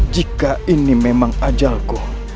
jika ini memang ajalku